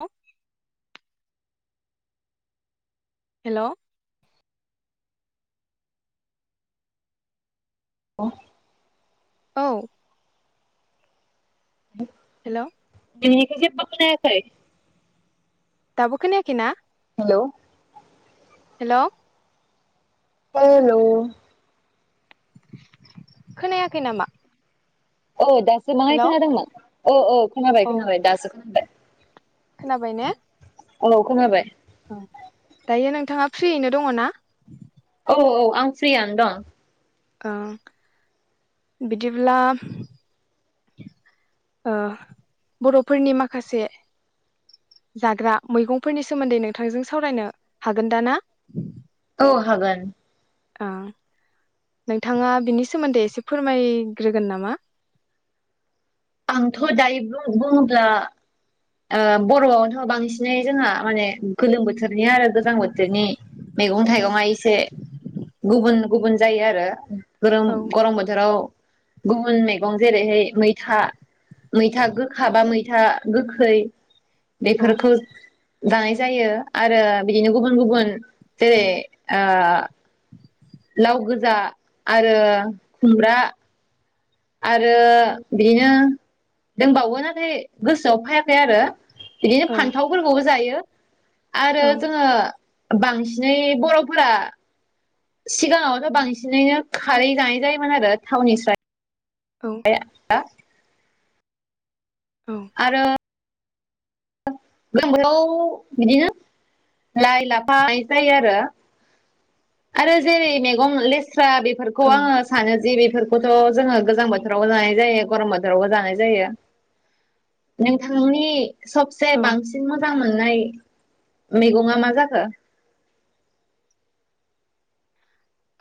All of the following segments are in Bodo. औ [unintelligible] हेल। औ। औ। बे [inaudible] खोनायाखै। दाबो खोनायाखै ना? हेलौ। हेल'। हेल'। खोनायाखै नामा? औ दासो हेल' माहायखादोंमोन औ औ खोनाबाय औ खोनाबाय दासो खोनाबाय खोनाबाय ने औ खोनाबाय दायो नोंथाङा फ्रियैनो दङ ना औ औ आं फ्रियानो दं ओ बिदिब्ला ओ बरफोरनि माखासे जाग्रा मैगंफोरनि सोमोन्दै नोंथांजों सावरायनो हागोन दा ना औ हागोन ओं नोंथाङा बिनि सोमोन्दै एसे फोरमायग्रोगोन नामा आंथ दायो बुं बुङोब्ला ओ बरआवथ बांसिनै जोंहा माने गोलोम बोथोरनि आरो गोजां बोथोरनि मैगं थाइगंआ एसे गुबुन गुबुन जायो आरो गरम औ गरम बोथोराव गुबुन मैगं जेरैहाय मैथा मैथा गोखाबा मैथा गोखै औ बेफोरखौ दानाय जायो आरो बिदिनो गुबुन गुबुन जेरै लाव गोजा आरो खुमब्रा आरो बिदिनो दोंबावो नाथाय गोसोआव फायाखै आरो औ बिदिनो फान्थावफोरखौबो जायो आरो औ जोङो बांसिनै बर'फोरा सिगाङावथ बांसिनैनो खारै जानाय जायोमोन आरो थावनि स्राय औ [unintelligible] औ आरो जोंाव [inaudible] बिदिनो लाइ लाफा जानाय जायो आरो आरो जेरै मेगं लेस [unintelligible] बेफोरखौ औ आङो सानो जि बेफोर थ जोङो गोजां बोथोरावबो जानाय जायो गरम बोथोरावबो जानाय जायो नोंथांनि सबसे औ बांसिन मोजां मोननाय मैगङा मा जाखो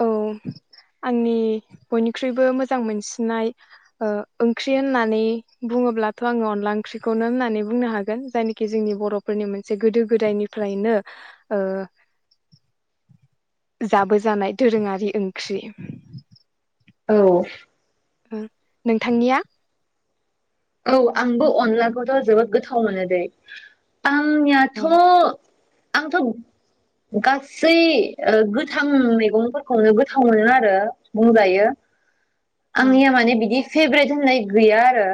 औ आंनि बयनिख्रुइबो मोजां मोनसिननाय ओ ओंख्रि होननानै बुङोब्लाथ' आङो अनला ओंख्रिखौनो होननानै बुंनो हागोन जायनोखि जोंनि बर'फोरनि मोनसे गोदो गोदायनिफ्रायनो ओ जाबोजानाय दोरोङारि ओंख्रि औ नोंथांनिया औ आंबो अनलाखौथ' जोबोद गोथाव मोनो दैे। आं नियाथ औ आंथ' गासै ओ गोथां मैगंफोरखौनो गोथाव मोनो आरो बुंजायो। औ आंनिया माने बिदि फेबब्रेद होननाय गैया आरो।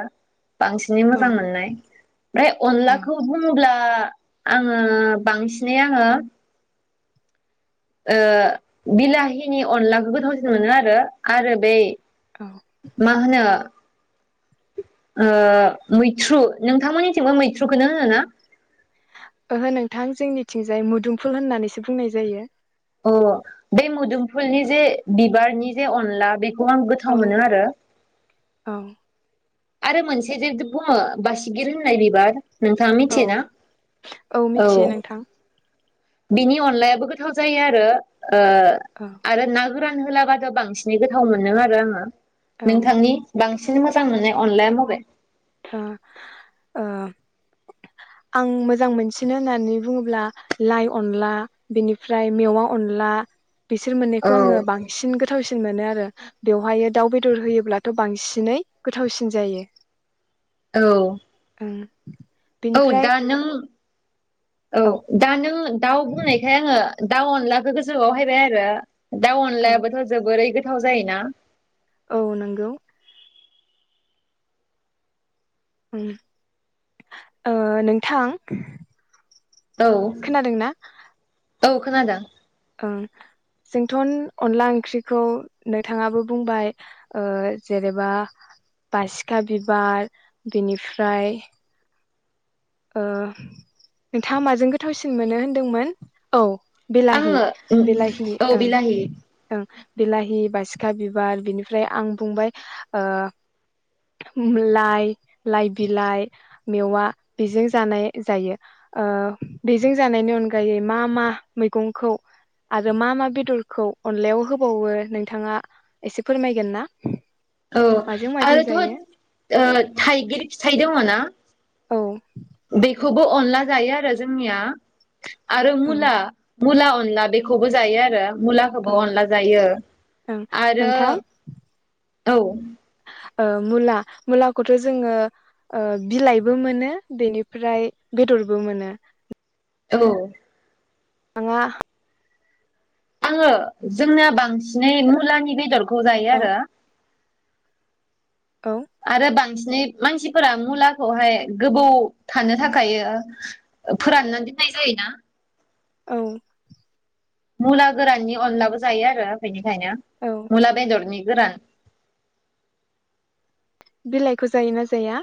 बांसिनै औ मोजां मोननाय ओमफ्राय औ अनलाखौ बुंङोब्ला आङो बांसिनै आङो ओ बिलाहिनि अनलाखौ गोथावसिन मोनो आरो आरो बै औ मा होनो ओ मैथ्रु नोंथांमोननिथिंबो मैथ्रुखौनो होनो ना? ओहो नोंथां जोंनिथिंजाय मुदुमफुल होननानैसो बुंनाय जायो। अ बे मोदोमफुलनि जे बिबारनि जे अनला बे खौ आं औ गोथाव मोनो आरो। औ आरो मोनसे जेदि बुङो बासिगिर होननाय बिबार नोंथाङा औ मिथियोना? औ। मिथियो नोंथां बिनि अनलायाबो गोथाव जायो आरो। ओ औ आरो ना गोरान होलाबाथ' बांसिनै गोथाव मोनो आरो आङो। औ ओ नोंथांनि बांसिन सिन मोजां मोननाय अनलाया माबे ओ ओ आं मोजां मोनसिनो होननानै बुङोब्ला लाइ अनला बिनिफ्राय मेवा अनला बिसोर मोननैखौ आङो औ बांसिन गोथावसिन मोनो आरो बेवहायो दाउ बेदर होयोब्लाथ बांसिनै गोथावसिन जायो ओम औ दा नों औ दा नो नों दाउ बुंनायखाय आङो दाउ अनलाखौ गोसोआव फैबाय आरो दाउ औ अनलायाबोथ' जोबोरै गो थाव जायो ना औ नंगौ। उम ओ नोंथां औ खोनादोंना औ खोनादों। ओं जोंथ' अनला ओंख्रिखौ नोंथाङाबो बुंबाय जेनेबा बासिखा बिबार बिनिफ्राय ओ नोंथाङा माजों गोथावसिन मोनो होनदोंमोन औ बिलाहि आङो बिलाहि औ ओं बिलाहि ओं बिलाहि, बासिखा बिबार बिनिफ्राय आं बुंबाय ओ लाइ लाइ बिलाइ मेवा बेजों जानाय जायो ओ बेजों जानायनि अनगायै मा मा मैगंखौ आरो मा मा बेदरखौ अनलायाव होबावो नोंथाङा एसे फोरमायगोन ना? औ माजों माजों आरोथ' जायो ओ थाइगिर फिथाइ दङ ना? औ बेखौबो अनला जायो आरो जोंनिया। आरो ओं मुला मुला अनला बेखौबो जायो आरो। मुलाखौबो ओं अनला जायो ओं आरो नोंथाङा औ ओ मुला मुलाखौथ' जोङो ओ बिलाइबो मोनो बेनिफ्राय बेदरबो मोनो। औ [unintelligible] आङो जोंनाया बांसिनै मुलानि बेदर खौ जायो औ आरो। औ आरो बां नै मानसिफोरा मुलाखौहाय गोबौ थानो थाखायो फोरानना दिननाय जायोना औ मुला गोराननि अनलाबो जायो आरो बेनो औ [unintelligible] मुला बेदरनि। गोरान बिलाइखौ जायोना जाया?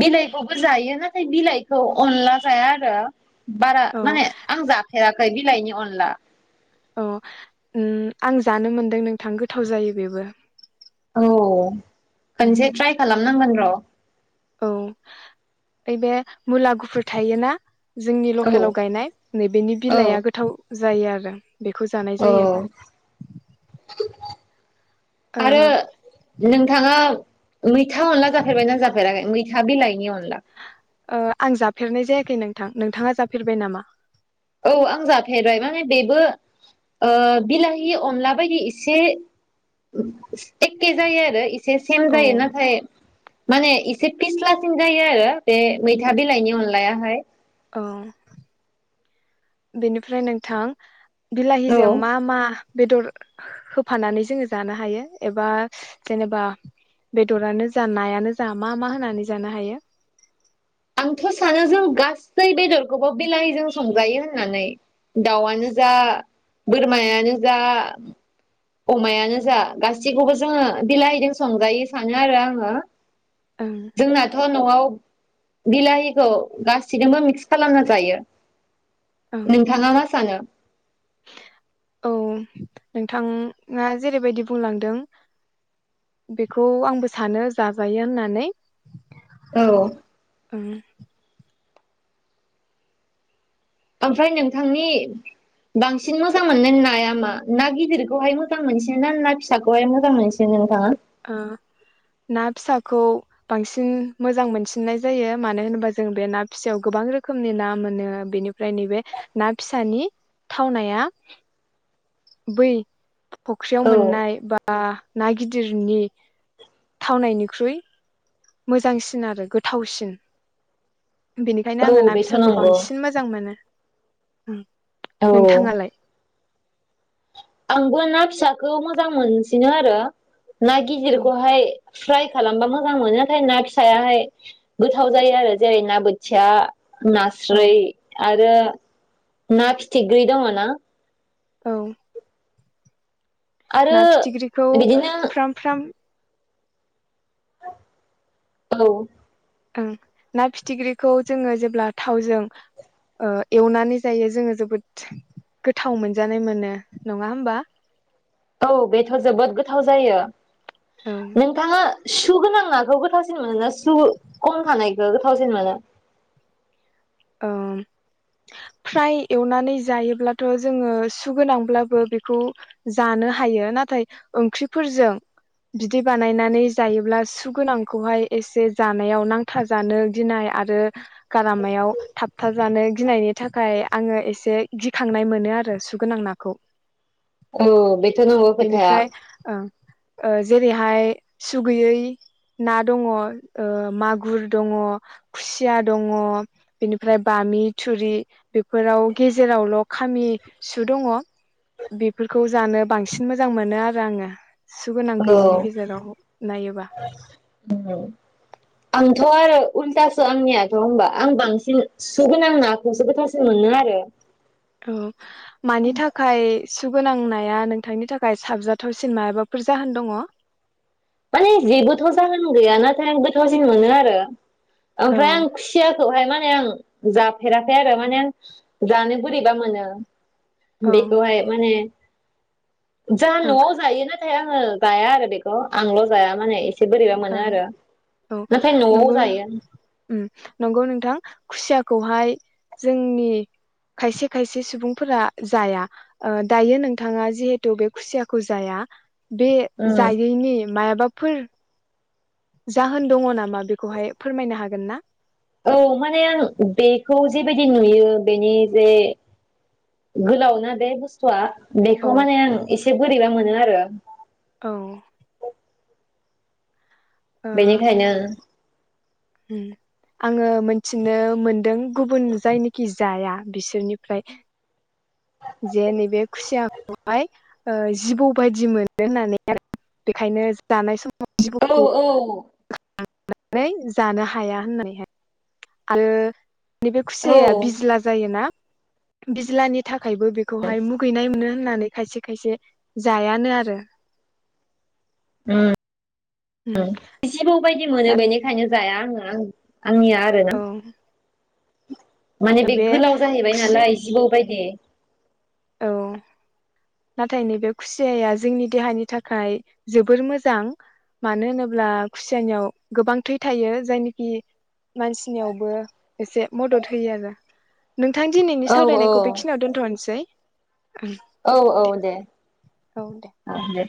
बिलाइखौबो जायो नाथाय बिलाइखौ अनला जाया आरो। बारा औ माने आं जा [unintelligible] बिलायनि अनला। अ उम आं जानो मोनदों नोंथां गोथाव जायो बेबो औ खनसे ट्राय खालाम। [unintelligible] औ ओइ बे मुला गुफुर थायो ना? जोंनि औ लकेलाव गायनाय नैबेनि औ बिलाइआ गोथाव जायो आरो। बेखौ जानाय औ जायो। ओं। नोंथांआ मैथा अनला जाफेरबायना जाफेराखै मै थाबिलायनि अन ओ आं जाफेरनाय जायाख खै नोंथां नोंथाङा जाफेरबाय नामा? औ आं जाफेरबाय माने बेबो ओ बिलाहि अनला बायदि एसे ओ एखे जायो आरो इस से सेम औ जायो नाथाय माने एसे फिस्लासिन जायो आरो बे मैथा बिलाइनि अनलायाहाय अ बेनिफ्राय नोंथां औ बिलाहिजों मा मा बेदर ओ होफानानै जोङो जानो हायो एबा जेनेबा बेदरानो जा नायानो जा मा मा होनानै जानो हायो? आंथ' सानो जों गासै बेदरखौबो बिलाहिजों संजायो होननानै दाउआनो जा बोरमायानो जा अमायानो जा गासैखौबो जोङो बिलाहिजों संजायो सानो आरो आङो। ओं जोंनाथ'न न'आव बिलाहिखौ गासिजोंबो मिक्स खालामना जायो। ओं नोंथाङा मास सानो अ नोंथाङा जेरैबायदि बुंलांदों बेखौ आंबो सानो जाजायो होननानै। ओं औ ओमफ्राय नोंथांनि बांसिन मोजां मोननाय नाया मा ना गिदिरखौहाय मोजां मोनसिनोना ना फिसाखौहाय मोजां मोनसिनो नोंथाङा? ओ ना फिसाखौ बांसिन मोजां मोनसिननाय जायो मानो होनोबा जों बे ना फिसायाव गोबां रोखोमनि ना मोनो बेनिफ्राय नैबे ना फिसानि थावनाया बै फख्रियाव औ मोननाय बा ओ ना गिदिर दिरनि थावनायनिख्रुइ मोजांसिन आरो गोथावसिन। बेनिखायनो आङो औ ना बेथ' फिसाखौ नंगौ बांसिन मोजां मोनो। ओम औ नोंथाङालाय आंबो ना फिसाखौ मोजां मोनसिनो आरो ना औ गिदिरखौहाय। फ्राय खालामबा मोजां मोनो नाथाय ना फिसायाहाय गोथाव जायो आरो जेरै ना बोथिया औ नास्रै आ आरो ना फिथिग्रि दङना औ आरो ना फिथिख्रिखौ बिदिनो फ्राम फ्राम। औ। ओं ना फिथिख्रिखौ जोङो जेब्ला थावजों ओ एवनानै जायो जोङो जोबोद गोथाव मोनजानाय मोनो नङा होमबा? औ बेथ जोबोद गोथाव जायो औ नोंथाङा सु गोनां नाखौ गोथावसिन मोनो ना सु खम थानायखौ गोथावसिन मोनो ओम फ्राय एवनानै जायोब्लाथ जोङो सुगोनांब्लाबो बेखौ जानो हायो नाथाय ओंख्रिफोरजों बिदि बानायनानै जायोब्ला सुगोनांखौहाय एसे जानायाव नांथा जानो गिनाय आरो गारामायाव थाब था जानो गिनायनि थाखाय आङो एसे गिखांनाय मोनो आरो सुगोनां नाखौ । औ बेथ' नोंगौ खोथा। बाहाय सुगैयै ना दङ ओ मागुर दङ खुसिया दङ बेनिफ्राय बामि थुरि बेफोराव गेजेरावल' खामि सु दङ बेफोरखौ जानो बांसिन मोजां मोनो आरो आङो । औ औ नायोबा आं थ' आरो उल्थासो आंनियाथ' होनबा आं बांसिन सुगोनां नाखौसो गोथांसिन मोनो आरो औ मानि थाखाय सुगोनांनाया नोंथांनि थाखाय साबजाथावसिन मायबाफोर जाहोन दङ? माने जेबोथ' जाहोन गैया नाथाय आं गोथावसिन मोनो आरो। औ ओमफ्राय आं खुसियाखौहाय मा आं जाफेराखै आरो माने जानो बोरैबा मोनो । ओं बेखौहाय माने जोहा ओं न'आव जायो नाथाय आं [unintelligible] जाया आरो बेखौ । आंल' जाया माने एसे बोरैबा मोनो ओं आरो औ नाथाय न'आव नोंगौ जायो उम नोंगौ नोंथां। खुसियाखौहाय जोंनि खायसे खायसे सुबुंफोरा जाया ओ दायो नोंथाङा जिहेथु बे खुसियाखौ जाया बे उम जायैनि मायाबा फोर जाहोन दङ नामा बेखौहाय फोरमायनो हागोन ना? औ माने आं बेखौ जेबायदि नुयो बेनि जे गोलाव ना बे बुस्थुआ औ बेखौ माने आं इसे से बोरैबा मोनो आरो औ। ओ बेनिखायनो उम आङो मोनथिनो मोनदों गुबुन जायनोखि जाया बिसोरनिफ्राय जे नैबे खुसियाखौहाय ओ जिबौ बायदि मोनो होननानै आरो बेखायनो जानाय सम [unintelligible] औ औ लांनानै जानो हाया होननानैहाय। आरो नि बे औ खुसियाया बिज्ला जायोना? बिज्लानि थाख खायबो बेखौहाय मुगैनाय मोनो। होननानै खायसे खायसे जायानो आरो उम जिबौ बायद मोनो बेनिखायनो जाया आङो आं आंनिया आरोना। औ [inaudible] माने बे गोलाव जाहैबाय खुसि नालाय जिबौ बायदि। [inaudible] औ नाथाय नैबे खुसियाया जोंनि देहानि थाखाय जोबोर मोजां मानो होनोब्ला खुसियानियाव गोबां थै थायो जायनिखि मानसिनियावबो एसे मदद होयो आरो। नोंथां दिनैनि औ औ सावरायनायखौ बेखिनियाव दोन्थनोसै। औ औ दे दे। औ दे।